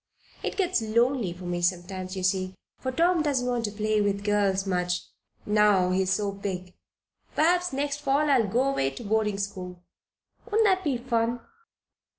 It gets lonely for me sometimes, you see, for Tom doesn't want to play with girls much, now he is so big. Perhaps next fall I'll go away to boarding school won't that be fun?"